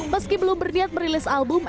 meski belum berniat merilis album